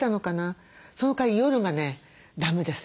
そのかわり夜がねだめです